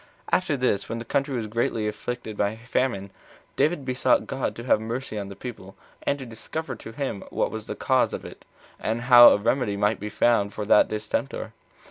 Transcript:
1. After this, when the country was greatly afflicted with a famine, David besought God to have mercy on the people, and to discover to him what was the cause of it, and how a remedy might be found for that distemper.